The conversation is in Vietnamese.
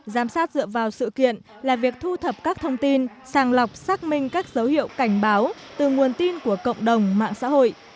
giám sát dựa vào sự kiện là việc thu thập các thông tin sàng lọc xác minh các dấu hiệu cảnh báo từ nguồn tin của cộng đồng mạng xã hội